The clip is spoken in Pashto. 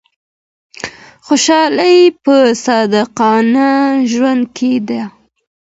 خوشحالي په صادقانه ژوند کي ده.